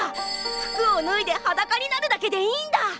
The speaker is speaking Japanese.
服をぬいではだかになるだけでいいんだ！